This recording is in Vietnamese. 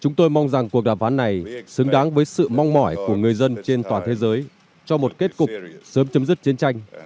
chúng tôi mong rằng cuộc đàm phán này xứng đáng với sự mong mỏi của người dân trên toàn thế giới cho một kết cục sớm chấm dứt chiến tranh